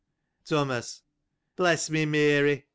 Thomas. — Bless me, Mary!